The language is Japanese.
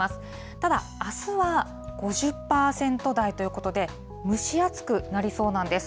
ただ、あすは５０％台ということで、蒸し暑くなりそうなんです。